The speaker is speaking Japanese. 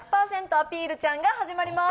アピルちゃんが始まります。